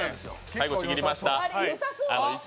最後ちぎりました。